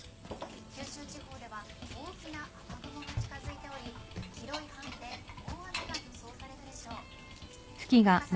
九州地方では大きな雨雲が近づいており広い範囲で大雨が予想されるでしょう。